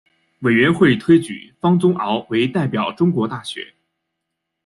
委员会推举方宗鳌为代表中国大学。